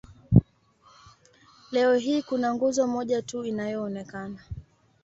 Leo hii kuna nguzo moja tu inayoonekana.